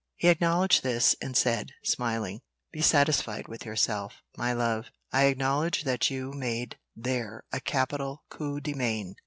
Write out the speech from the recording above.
He acknowledged this, and said, smiling "Be satisfied with yourself, my love; I acknowledge that you made there a capital coup de main."